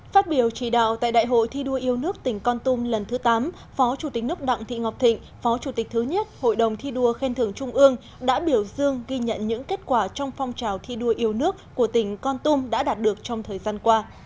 phát biểu chỉ đạo tại đại hội thi đua yêu nước tỉnh con tum lần thứ tám phó chủ tịch nước đặng thị ngọc thịnh phó chủ tịch thứ nhất hội đồng thi đua khen thưởng trung ương đã biểu dương ghi nhận những kết quả trong phong trào thi đua yêu nước của tỉnh con tum đã đạt được trong thời gian qua